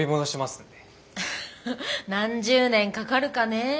ハハ何十年かかるかねえ。